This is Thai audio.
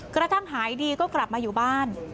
กระทั่งหายดีก็กลับมาอยู่บ้าน